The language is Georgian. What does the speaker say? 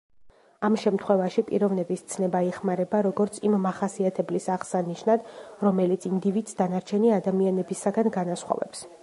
ამ შემთხვევაში, პიროვნების ცნება იხმარება როგორც იმ მახასიათებლის აღსანიშნად, რომელიც ინდივიდს დანარჩენი ადამიანებისაგან განასხვავებს.